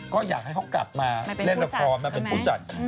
ก็อยากให้เขากลับมาเล่นละครมาเป็นผู้จัด